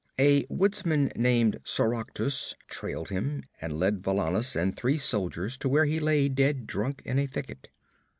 A woodsman named Soractus trailed him, and led Valannus and three soldiers to where he lay dead drunk in a thicket.